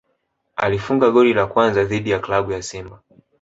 alifunga goli la kwanza dhidi ya klabu ya Simba